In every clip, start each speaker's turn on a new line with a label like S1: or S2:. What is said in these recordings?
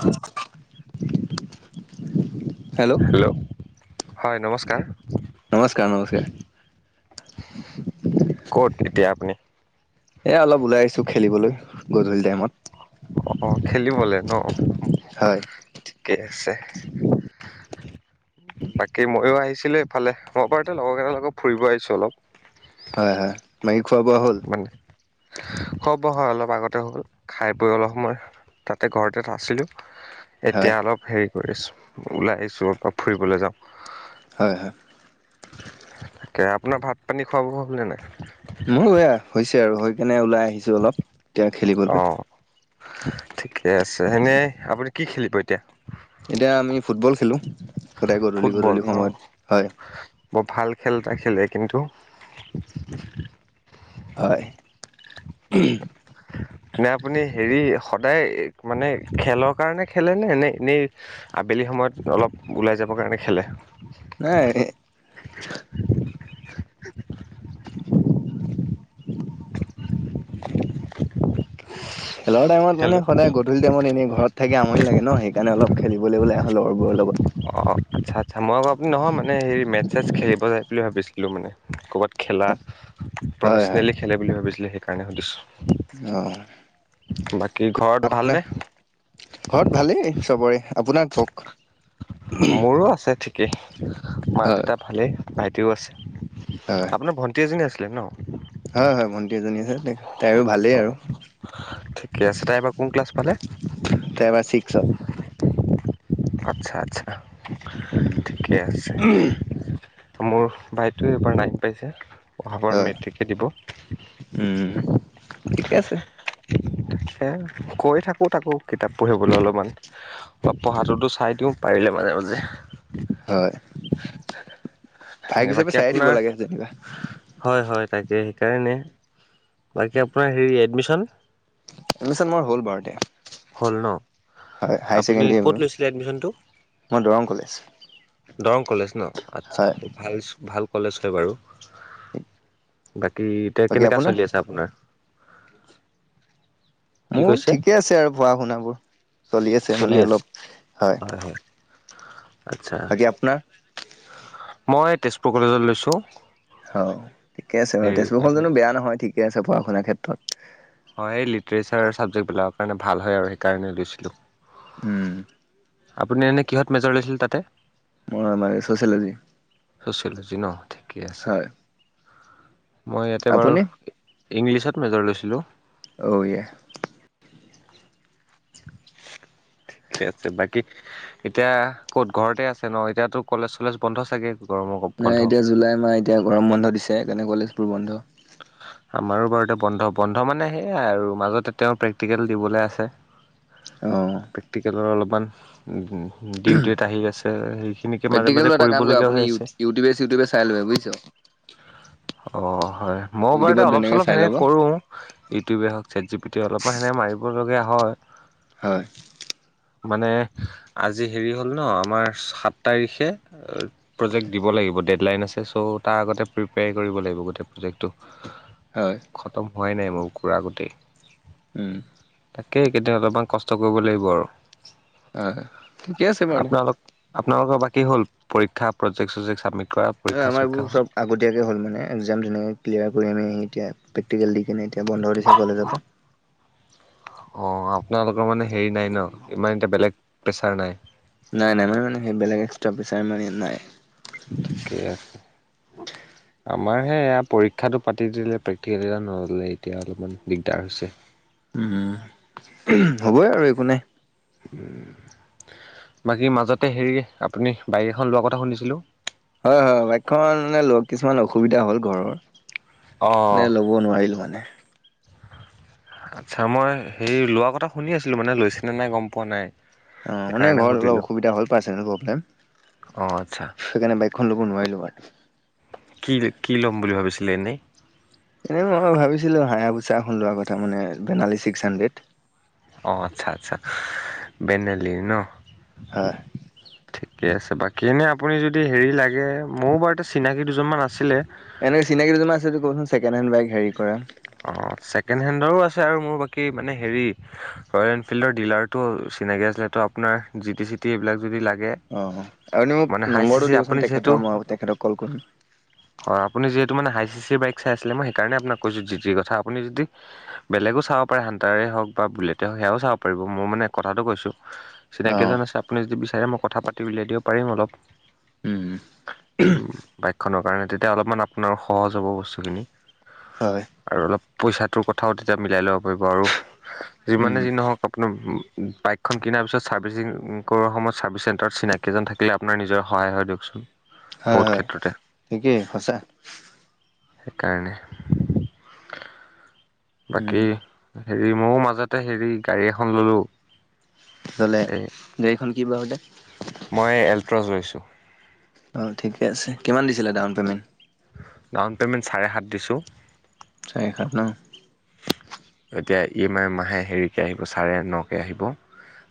S1: হম
S2: hello হয় নমস্কাৰ
S1: নমস্কাৰ নমস্কাৰ
S2: ক'ত এতিয়া আপুনি
S1: এ অলপ ওলাই আহিছো খেলিবলৈ গধূলি টাইমত
S2: অ খেলিবলৈ ন।
S1: হয়
S2: ঠিকে আছে বাকী ময়ো আহিছো আছিলোঁ এইফালে মই বাৰু এ লগৰেইতা লগত ফুৰিব আহিছোঁ অলপ
S1: হয় হয় বাকী খোৱা বোৱা হল?
S2: হ'ব হয় অলপ আগতে হ'ল খাই বৈ অলপ সময় তাতে ঘৰতে আছিলোঁ
S1: হয়
S2: এতিয়া অলপ হেৰি কৰি আছো ওলাই আহিছো অলপমান ফুৰিবলৈ যাওঁ
S1: হয় হয়
S2: এ আপোনাৰ ভাত পানী খোৱা বোৱা হল নে নাই?
S1: মোৰ এয়া হৈছে আৰু হৈ কেনে ওলাই আহিছো অলপ এতিয়া খেলিবলৈ
S2: অঁ ঠিকে আছে এনে আপুনি কি খেলিব এতিয়া?
S1: এতিয়া আমি ফুটবল খেলোঁ সদায় গধূলি
S2: ফুটবল
S1: গধূলি
S2: ন
S1: সময়ত হয়
S2: বৰ ভাল খেল এটা খেলে কিন্তু
S1: উম
S2: [inaudible] নে আপুনি হেৰি সদায় মানে খেলৰ কাৰণে খেলে নে এনে এনেই আবেলি সেই সময়ত অলপ ওলাই যাবৰ কাৰণে খেলে
S1: নাই
S2: [inaudible] [inaudible]
S1: খেলৰ টাইমত মানে
S2: হেল্ল'।
S1: সদায় গধূলি টাইমত এনে ঘৰত থাকে আমৰিনি লাগে ন সেইকাৰণে অল খেলিবলৈ ওলাই আহ'ল লগৰবোৰৰ লগত
S2: আত্সা মই আক আপুনি নহয় মানে হেৰি মেচ চেচ খেলিব যায় বুলি ভাবিছিলোঁ মানে ক'ৰবাত খেলা
S1: হয় হয়
S2: প্ৰফেচনেলি খেলে বুলি ভাবিছিলো সেইকাৰণে সুধিছো
S1: অ
S2: বাকী ঘৰত ভালনে?
S1: ঘৰত ভালেই চবৰে আপোনাক
S2: মোৰো আছে ঠিকেই মা
S1: হয়
S2: দেউতা ভালেই ভইটিও আছে
S1: হয়
S2: আপোনাৰ ভণ্টি এজনী আছিলে ন?
S1: হয় হয় ভণ্টি এজনী আছে তাইৰো ভালেই
S2: অঁ
S1: আৰু।
S2: ঠিকে আছে তাই এইবাৰ কোন ক্লাছ পালে?
S1: তাই এইবাৰ চিক্সত।
S2: আচ্ছা আচ্ছা
S1: উম
S2: ঠিকে আছে। মোৰ ভাইটোৱে এইবাৰ নাইন পাইছে। অহাবাৰ
S1: হয়
S2: মেট্ৰিকে দিব।
S1: ঠিকে আছে
S2: তাকে কৈ থাকোঁ তাকো কিতাপ পঢ়িবলৈ অলপমান। বা পঢ়াটোতো চাই দিওঁ পাৰিলে মাজে মাজে
S1: হয়। ভাইক হিচাপে
S2: বাকী
S1: চাইে দিব
S2: আপোনাৰ
S1: লাগে যেনিবা।
S2: হয় হয় তাকে সেইকাৰণে বাকী আপোনাৰ হেৰি এডমিশন।
S1: এডমিশন মোৰ হ'ল বাৰু এতিয়া।
S2: হ'ল ন আপুনি
S1: ছেকেণ্ডেৰী
S2: ক'ত লৈছিলে এডমিচনটো।
S1: মই দৰং কলেজ
S2: দৰং কলেজ ন আচ্ছা
S1: হয়
S2: ভাল ভাল। কলেজ হয় বাৰু বাকী এতিয়া
S1: বাকী
S2: কেনেকা
S1: আপোনাৰ
S2: চলি আছে আপোনাৰ। [unintelligible]
S1: মোৰ
S2: কৈছে
S1: ঠিকে আছে আৰু পঢ়া শুনাবোৰ চলি আছে মানে অলপ হয়।
S2: আচ্ছা
S1: বাকী আপোনাৰ।
S2: মই তেজপুৰ কলেজত লৈছোঁ।
S1: অ ঠিকে আছে বাৰু
S2: হেৰি
S1: তেজপুৰখন
S2: কাৰণে
S1: জানো বেয়া নহয় ঠিকে আছে পঢ়া শুনাৰ ক্ষেত্ৰত।
S2: হয় এই লিটাৰেচাৰ চাবজেক্টবিলাকৰ কাৰণে ভাল হয় আৰু সেইকাৰণে লৈছিলোঁ।
S1: উম।
S2: আপুনি এনে কিহত মেজৰ লৈছিলে তাতে।
S1: ম মানে ছোচিয়েলজি।
S2: ছচিয়েলজি ন ঠিকেই আছে। মই ইয়াতে বাৰু
S1: আপুনি
S2: ইংলিছত মেজৰ লৈছিলোঁ।
S1: অ' ইয়া
S2: [unintelligible] ঠিকে আছে বাকী এতিয়া ক'ত ঘৰতে আছে ন এতিয়াতো কলেজ চলেজ বন্ধ চাগে। গৰমৰ
S1: নাই
S2: বন্ধ
S1: এতিয়া জুলাই মাহ এতিয়া গৰম বন্ধ দিছে সেইকানে কলেজবোৰ বন্ধ।
S2: আমাৰো বাৰুতে বন্ধ বন্ধ মানে সেইয়াই আৰু মাজতে তেওঁ প্ৰেক্টিকেল দিবলৈ আছে।
S1: অ'
S2: প্ৰেক্টিকেলৰ অলপমান। ডিউটেত আহি আছে সেইখিনিকে মাজে
S1: প্ৰেক্টিকেলটো
S2: মাজে
S1: এটা কাম কৰে
S2: কৰিবলগীয়া
S1: আপুনি
S2: হৈ
S1: ইউ
S2: আছে।
S1: ইউটিউবে চিউটিউবে চাই লব বুজিছ [unintelligible]
S2: অ হয়। ময় বাৰুতে
S1: ইউটিউবত
S2: অলপ
S1: ধুনীয়াকে
S2: চলপ
S1: চাই ল'ব
S2: সেনেক কৰো ইউটিউবে হওঁক চেট জি পি অলপমান সেনে মাৰিব লগগীয়া। হয়।
S1: হয়।
S2: মানে আজি হেৰি হ'ল ন আমাৰ সাত তাৰিখে প্ৰজেক্ট দিব লাগি। ব ডেডলাইন আছে চ' তাৰ আগতে প্ৰিপেয়াৰ কৰিব লাগিব গোটেই প্ৰজেক্টটো।
S1: হয়
S2: খতম হোৱাই নাই মোৰ ঘূৰা গোটেই।
S1: উম।
S2: তাকে একেইদিন অলপমান কষ্ট কৰিব লাগিব আৰু।
S1: হয় ঠিকে আছে বাৰু
S2: আপোনালোক আপোনালোকৰ বাক। কিহল পৰীক্ষ প্ৰজক্ট চজেক্ট চাবমিত।
S1: আমাৰ বোৰ চব আগতীয়াকে হ'ল মানে একজাম তেনেকে ক্লিয়াৰ কৰি আমি এতিয়া প্ৰেটিকেল দি কিনে এ। এ বন্ধ দিছে কলেজল পা
S2: অ আপোনালোকৰ মানে হেৰি নাই ন ইমান এতিয়া বেলেগ প্ৰেচাৰ নাই।
S1: নাই নাই মানে মানে সেইবেলোক এক্সটা পৈচাৰ মানে নাই।
S2: ঠিকেই আছে আমাৰ হে এয়া পৰীক্ষাটো পাতি দিলে প্ৰেক্টিকেল এটা নলে এতিয়া অলপমান দিগদাৰ হৈছে
S1: উম হ'বই আৰু একো নাই।
S2: বাকী মাজতে হেৰি আপুনি বাইক এখন লোৱাৰ কথা শুনিছিলো
S1: হয় হয় বাইকখন মানে লগ কিছুমান অসুবিধা হ'ল ঘৰৰ
S2: অ',
S1: কোনে ল'ব নোৱাৰিল মানে
S2: আচ্ছা মই হেৰি লোৱা কথা শুনি আছিলো মানে লৈছেনে নাই গম পোৱা নাই
S1: অ মানে
S2: সেইকাৰণে
S1: ঘৰত অলপ
S2: সুধিলোঁ
S1: অসুবিধা হল পাৰব্লেম
S2: অ', আচ্ছা
S1: সেইকাৰণে ব এখন লগোনোৱাই লো
S2: কি কি ল'ম বুলি ভাবিছিলে এনেই
S1: এনে মই ভাবিছিলো হাঁ পুচা এখন লোৱা কথা মানে বেনালী ছিক্স হাণ্ড্ৰেড
S2: অঁ আচ্ছা আচ্ছা বেনেলীৰ ন
S1: হয়।
S2: ঠিকে আছে বাকী এনে আপুনি যদি হেৰি লাগে গে মোৰো বাৰুতে চিনাকি দুজনমান আছিলে
S1: এনেকে চিনাকি দুমান আছে কচোনকেড হেণ্ড বাইক হেৰি কৰা
S2: অ ছেকেণ্ড হেণ্ডৰো আছে আৰু মোৰ বাকী মানে হেৰি ৰয়েল এনফিল্ডৰ ডিলাৰো চিনাকি যিহেতু আপোনাৰ যি টি চি টি এইবিলাক যদি লাগে
S1: অ আৰুপনি মোক
S2: মানে হাই চি
S1: নম্বৰটো
S2: চি
S1: দিবচোন
S2: আপুনি যিহেতু
S1: তেখেতৰ মই তেখেতক কল কৰিম
S2: হয় আপুনি যিহেতু মে সাই চি চিৰ বাইক চাই আছিল মই সেই কাৰণে আপোনাক কৈছো যি তিৰ কথা আপুনি যদি বেলেগো চাব পাৰে হানটাৰে হওক বা বুলেটেই হওক সেয়াও চাব পাৰিব মোৰ মানে কথাটো কৈছোঁ
S1: অ',
S2: চিনাকিজন আছে আপুনি যদি বিচাৰে মই কথা পাতি উলিয়াই দিব পাৰিম অলপ
S1: উম,
S2: উম বাইক খনৰ কাৰণে তেতিয়া অলপমান আপোনাৰ সহজ হ'ব বস্তুখিনি
S1: হয়,
S2: আৰু অলপ পইচাটোৰ কথাও তেতিয়া মিলাই ল'ব পাৰিব আৰু
S1: উম,
S2: যিমানে যি নহওক কাপ বাইকখন কিনাৰ পিছত চাৰ্ভিচিং কৰ সময়ত চাৰ্ভিচ চেণ্টাৰত চিনাকি এজন থাকিলে আপোনাৰ নিজৰ হয়াই হয় দিয়কচোন
S1: হয়
S2: বহুত
S1: হয়
S2: ক্ষেত্ৰতে
S1: ঠিকে সঁচা
S2: সেইকাৰণে
S1: উম,
S2: বাকী হেৰি ময়ও মাজতে হেৰি গাড়ী এখন ললো
S1: লে গাড়ীখন কি ব হতে
S2: মই এল্ট্ৰজ লৈছোঁ
S1: অ ঠিকে আছে কিমান দিছিলে ডাউন পেমেণ্ট
S2: ডাউন পে'মেণ্ট চাৰে সাত দিছোঁ
S1: চাৰে সাত ন
S2: এতিয়া ই এম আই মাহে হেৰিকে আহিব চাৰে নকে আহিব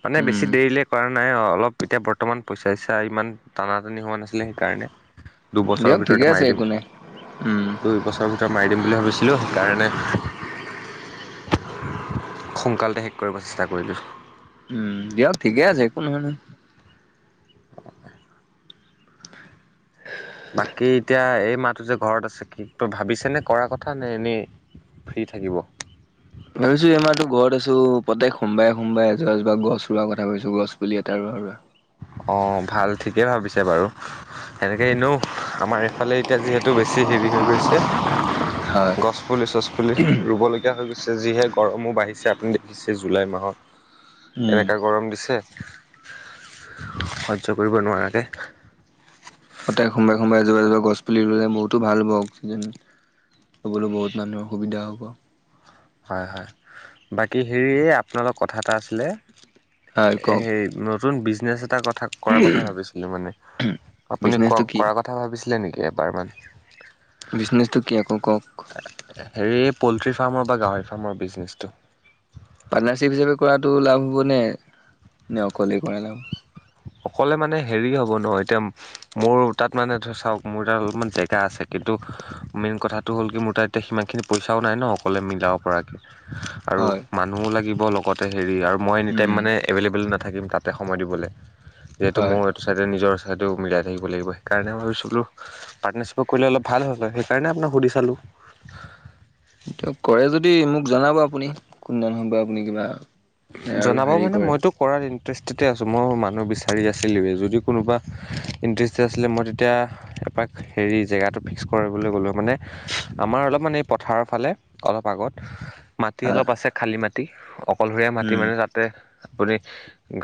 S2: মানে বেছি
S1: উম,
S2: দেৰিলে কৰা নাই অ অলপ এতিয়া বৰ্তমান পইচা চইচা ইমান টানা টানি হোৱা নাছিলে সেইকাৰণে দুবছৰৰ
S1: দিয়ক ঠিকে
S2: ভিতৰতে মাৰি
S1: আছে
S2: দিম
S1: একো নাই। উম,
S2: দুই বছৰৰ ভিতৰত মাৰি দিম বুলি ভাবিছিলো সেইকাৰণে সোনকালতে শেষ কৰিব চেষ্টা কৰিলোঁ
S1: উ বিয়াৰি গেছে ক ন শনে
S2: বাকী এতিয়া এই মাটো যে ঘৰত আছে কি তই ভাবিছ নে কৰা কথা নে এনেই ফ্ৰী থাকিব
S1: ভাবিছো এইমাহতো ঘৰত আছো প্ৰত্যেক সোমবায়ে সোমবায়ে এজপা এজপা গছ ৰুৱাৰ কথা ভাবিছো গছ পুলি এটা ৰ ঘা
S2: অ ভাল ঠিকে ভাবিছে বাৰু সেনেকে এনেও আমাৰ এইফালে এতিয়া যিহেতু বেছি হেৰি হৈ গৈছে
S1: হয়
S2: গছ পুলি গছপুলি ৰুবলগীয়া হৈ গৈছে যিহেেত গৰমো বাঢ়িছে আপুনি দেখিছে জুলাই মাহত এনেকুৱা গৰম দিছে সহ্য কৰিব নোৱাৰাকে
S1: প্ৰত্যেক সোমাবায়ে সোমাবায়ে এজোপা এজোপা গছ পুলি ল'লে বহুতো ভাল হ'ব অক্সিজেন ল'বলৈ বহুত মানুহৰ সুবিধা হ'ব
S2: হয় হয় বাকী হেৰি আপোনালৰ কথা এটা আছিলে
S1: হয়
S2: এ
S1: কওক
S2: সেই নতুন বিজনেছ এটা কথা। ক কৰ কথা ভাবিছিলো মানে, আপুনি ক
S1: বিজনেচটো কি
S2: কৰা কথা ভাবিছিলে নেকি এবাৰ মানে?
S1: বিজনেচটো কি আকৌ কওক
S2: হেৰি পল্ট্ৰি ফাৰ্মৰ বা গাহৰি ফাৰ্মৰ বিজনেচটো।
S1: পাৰ্টনাৰশ্বিপ হিচাপে কৰাতটো লাভ হ'ব নে, নে অকলেই কৰা লাভ।
S2: অকলে মানে হেৰি হ'ব ন এতিয়া মোৰ তাত মানে ধ চাওক মোৰ তাত অলপমান জেগা আছে কিন্তু। তো মেইন কথাটো হ'ল কি মোৰ তাত এতিয়া সিমানখিনি পইচাও নাই ন অকলে মিলাব পৰাকে। আৰু
S1: হয়
S2: মানুহো লাগিব লগতে হেৰি আৰু মই এনি টাইম
S1: উম
S2: মানে এভেইলেবল নাপ নাথাকিম তাতে সময় দিবলে, যিহেতু
S1: হয়
S2: মোৰ এইটো চাইডৰ সেইটো মিলাই থাকিব লাগিব সেইকাৰণে ভাবিছিলোঁ পাৰ্টনাৰশ্বিপক কৰিলে অলপ ভাল হ'ল হয় সেইকাৰণে আপোনাক সুধি চালোঁ। [inaudible]
S1: এতিয়া কৰে যদি মোক জনাব আপুনি কোনদিন হব আপুনি কিবা আৰু
S2: জনাব
S1: হেৰি
S2: মানে
S1: কৰে
S2: মইতো কৰা দ ইণ্টাৰেষ্টেডে আছোঁ মই মানুহ বিচাৰি আছিলোঁৱে যদি কোনোবা ইণ্টাৰেষ্টেড আছিলে মই তেতিয়া এপাক হেৰি জেগাটো ফিক্স কৰিবলৈ গ'লোও মানে আমাৰ অলপমান এই পথাৰৰ ফালে অলপ আগ মাটি অলপ আছে খালী মাটি অকলশৰীয়া মাটি
S1: উম
S2: মানে তাতে। আপুনি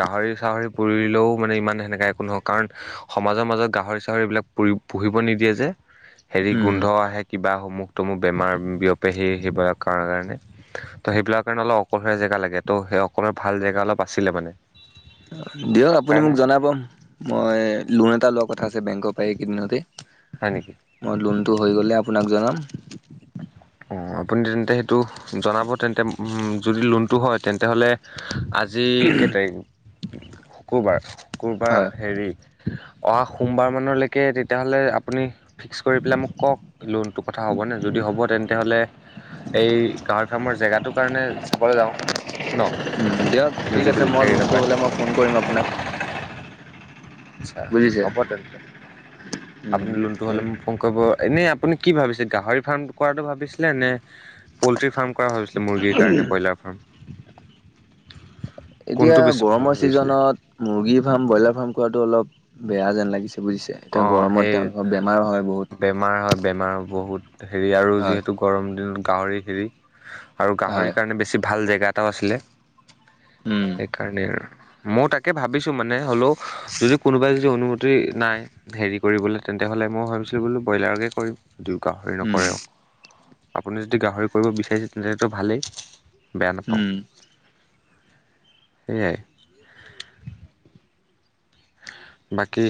S2: গাহৰি চাহৰি পুৰিলেও মানে ইমান সেনেকা একো নহক কাৰণ সমাজৰ মাজত গাহৰি গাহৰি -চাহৰি এইবিলাক পুৰি পুহিব নিদিয়ে যে হেৰি
S1: উম
S2: গোন্ধ আহে কিবা সমুহ তমুখ বেমাৰ বিয়পে সেই। সেইবিলাক কাৰণৰ ত কাৰণে সেইবিলাকৰ কাৰণে অলপ অকলীয়া জেগা লাগে। ত' সেই অকলৰ ভাল জেগা অলপ আছিলে মানে।
S1: দিয়ক আপুনি মোক
S2: সেইকাৰণে
S1: জনাব মই লোন এটা লোৱা কথা আছে বেংকৰ পৰা এইকেইদিনতে।
S2: হয় নেকি?
S1: টো হৈ গ'লে আপোনাক জনাম।
S2: অঁ আপুনি তেন্তে সেইটো জনাব তেন্তে যদি লোনটো হয় তেন্তে হ'লে আজি যি কে তাৰিখ শুকুৰবাৰ, শুকুৰবাৰ
S1: হয়
S2: হেৰি অহা সোমবাৰ মানলৈকে তেতিয়াহ'লে আপুনি ফিক্স কৰি পেলাই মোক কওক লোনটো কথা হ'বনে যদি। হব তেন্তে। হ'লে এই গাহৰি ফাৰ্মৰ জেগাটোৰ কাৰণে চাবলৈ যাওঁ ন।
S1: দিয়ক
S2: আপুনি
S1: ঠিক
S2: যদি
S1: আছে মই
S2: হেৰি
S1: লোনটো
S2: নকৰে
S1: হ'লে মই ফোন কৰিম আপোনাক।
S2: আচ্ছা
S1: বুজিছে
S2: হ'ব তেন্তে আপুনি লোনটো হলে মোক ফোন কৰিব এনেই। আপুনি কি ভাবিছিল গাহৰি ফাৰ্ম কৰাতটো ভাবিছিলে নে পল্ট্ৰি ফাৰ্ম। কৰা হৈছিলে মুৰ্গীৰ কাৰণে ব্ৰইলাৰ ফাৰ্ম।
S1: এতিয়া
S2: কোনটো বেছি ভাল
S1: গৰমৰ
S2: ভাবিছিলে
S1: ছিজনত মুৰ্গী ফাৰ্ম ব্ৰইলাৰ ফাৰ্ম কৰাটো অলপ। বেয়া যেন লাগিছে বুজিছে
S2: অ
S1: এতি
S2: সেই
S1: গৰমত তেওঁলোকৰ বেমাৰ হয়
S2: বেমাৰ হয়
S1: বহুত।
S2: বেমাৰ বহুত হেৰি আৰু
S1: হয়
S2: যিহেতু গৰম দিনত গাহৰি হেৰি আৰু গাহৰিৰ
S1: হয়
S2: কাৰণে বেছি ভাল জেগা। গাটাও আছিলে
S1: উম
S2: সেইকাৰণে আৰু। মই তাকে ভাবিছোঁ মানে হ'লেও যদি কোনোবাই যদি অনুমতি নাই। হেৰি কৰিবলৈ তেন্তে হলে মই ভাবিছিলোঁ বোলো ব্ৰইলাৰকে কৰিম দুয়ো গাহৰি
S1: উম
S2: নকৰেও। আপুনি যদি গাহৰি কৰিব বিচাৰিছে তেন্তো ভালেই বেয়া নাপাওঁ।
S1: উম
S2: সেয়াই। বাকী।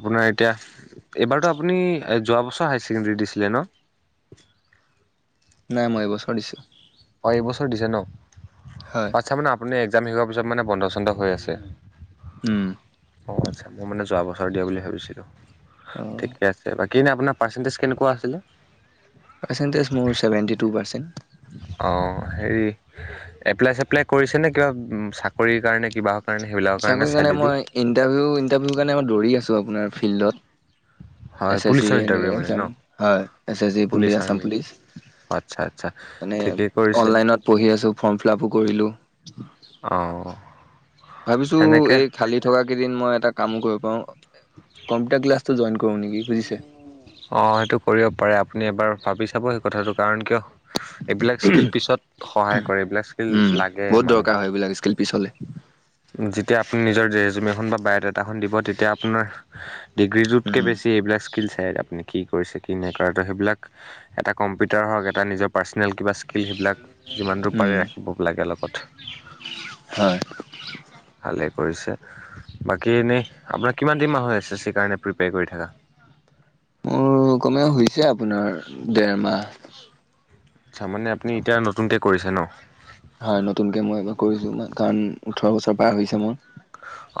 S2: আপোনাৰ এতিয়া এইবাৰতো আপুনি যোৱা বছৰ হায়াৰ ছেকেণ্ডৰী দিছিলে ন। [unintelligible]
S1: নাই মই এইবছৰ দিছোঁ।
S2: অঁ এইবছৰ দিছে ন,
S1: হয়
S2: আচ্ছা মানে আপুনি এক্সাম শেষ হোৱাৰ পিছত মানে বন্ধক চন্ধ হৈ আছে।
S1: উম!
S2: অঁ আচ্ছা মই মানে যোৱা বছৰ দিয়া বুলি ভাবিছিলোঁ,
S1: অ
S2: ঠিকে আছে বাকী। কিনে আপোনাৰ পাৰ্চেণ্টেজ কেনেকুৱা আছিলে?
S1: পাৰ্চেণ্টেজ মোৰ ছেভেণ্টি টু পাৰ্চেণ্ট।
S2: অ হেৰি এপ্লাই চেপ্লাই কৰিছে নে কিবা চাকৰি কাৰণে কিবা।
S1: চাকৰি কাৰণে মই ইণ্টাৰভিউ ইণ্টাৰভিউ কাৰণে মই দৌৰি আছো আপোনাৰ ফিল্ডত।
S2: হয়
S1: এছেচি
S2: পুলিচৰ
S1: সেনকে
S2: ইণ্টাৰভিউ মানে
S1: একজাম
S2: ন
S1: হয় এচেচি পুলিচ আছাম পুলিচ।
S2: আচ্ছা আচ্ছা
S1: মানে
S2: ঠিকেই কৰিছে
S1: অনলাইনত পঢ়ি আছো ফৰ্ম ফিলআপো কৰিলো।
S2: অ।
S1: ভাবিছো
S2: সেনেকে
S1: এই খালি থকা কেইদিন মই এটা কামো কৰিব পাৰো কম্পিউটাৰ ক্লাছ। ত জইন কৰো নেকি। বুজিছে
S2: অ সেইটো কৰিব পাৰে আপুনি এবাৰ ভাবি চাব সেই কথাটো কাৰণ কিয়। এইবিলাক স্কিল পিছত সহায় কৰে এইবিলাক স্কিল
S1: উম
S2: লাগে
S1: বহুত দৰকাৰ
S2: মানুহক।
S1: হয় এইবিলাক স্কিল পিছলে।
S2: যেতিয়া আপুনি নিজৰ ৰেজুম এখন বা বায়'ডাটাখন দিব তেতিয়া আপোনাৰ। ডিগ্ৰীটোতকে
S1: উম
S2: বেছি এইবিলাক স্কিলছ। সে আপুনি কি কৰিছে কি নাই কৰা ত সেইবিলাক এটা কম্পিউটাৰ হক এটা নিজৰ পাৰ্চনেল কিবা। থাকিল সেইবিলাক যিমান দূৰ
S1: উম
S2: পাৰে ৰাখিব লাগে লগত।
S1: হয়
S2: ভালে কৰিছে। বাকী এনেই আপোনাৰ কিমান দিন মাহ আই ছি ছি কাৰণে প্ৰিপেয়াৰ কৰি থাকা।
S1: মোৰ কমে হৈছে আপোনাৰ দেৰ মাহ।
S2: আচ্ছা মানে আপুনি এতিয়া নতুনকে কৰিছে ন।
S1: হয় নতুনকে মই এ কৰিছো কাৰণ ওঠৰ বছৰ পাৰ হৈছে মোৰ।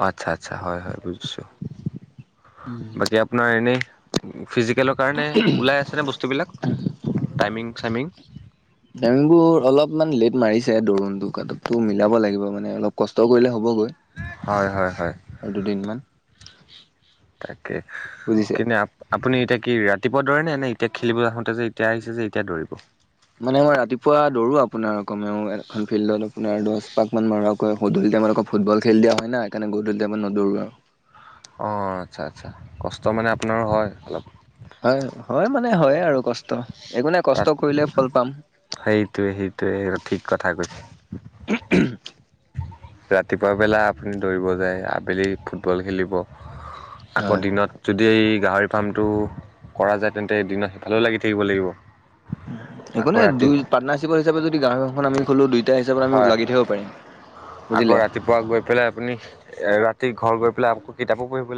S2: অ আচ্ছা আচ্ছা হয় হয় বুজিছো বাকী আপোনাৰ এনেই। ফিজিকেলৰ কাৰণে ওলাই আছেনে বস্তুবিলাক টাইমিং চাইমিং।
S1: টাইমিংবোৰ অলপমান লেট মাৰিছে দোৰোণ টো কো মিলাব লাগিব মানে অলপ কষ্ট কৰিলে। হ'বগৈ
S2: হয় হয় হয়
S1: আৰু দুদিনমান।
S2: তাকে
S1: বুজিছে
S2: কিন্ত আপুনি এতিয়া। কি ৰাতিপুৱা দৰে নে এতিয়া খেলিব আহোতে যে এতিয়া আহিছে যে এতিয়া দৌৰিব।
S1: মানে মই ৰাতিপুৱা দৌৰো আপোনাৰ কমেও এখন ফিল্ডত আপোনাৰ দশ পাক মান মাৰোৱাকৈ স। এতিয়া মানে আকৌ ফুটবল খেল দিয়া হয় না কাৰণে গধূলি নদৰো আৰু।
S2: অঁ আচ্ছা আচ্ছা কষ্ট মানে আপোনাৰো হয় অলপ।
S1: হয় হয় মানে হয় আৰু কষ্ট একো নাই কষ্ট
S2: তাত
S1: কৰিলে ফল পাম।
S2: সেইটোৱে সেইটোৱে ঠিক কথা কৈছে।
S1: উ।
S2: ৰাতিপুৱা বেলা আপুনি দৌৰিব যায় আবেলি ফুটবল খেলিব। আগৰ
S1: হয়
S2: দিনত যদি। গাহৰি ফাৰ্মটো কৰা যায় তেন্তে এদিন সিফালেও লাগি থাকিব লাগিব।
S1: একো
S2: আকৌ
S1: নাই
S2: ৰাতি
S1: দুই পাৰ্টনাৰশ্বিপৰ হিচাপে যদি গাঁও এখন আমি খোলো দুইটা হিচাপত আমি
S2: হয় হয়
S1: লাগি থাকিব পাৰিম।
S2: আকৌ
S1: বুজিলে
S2: ৰাতিপুৱা গৈ পেলাই আপুনি এ ৰাতি ঘৰ গৈ পেলাই আকৌ কিতাপো পঢ়িব লাগিব।